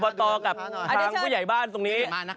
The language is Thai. เอาไปต่อกับครามคู่ใหญ่บ้านตรงนี้